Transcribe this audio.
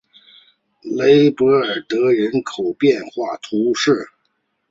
雷博尔德人口变化图示